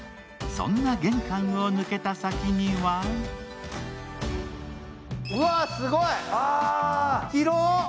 そんな玄関を抜けた先にはすごい、広い。